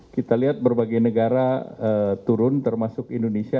kita lihat berbagai negara turun termasuk indonesia